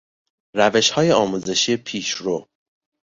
روشهای آموزشی پیشرو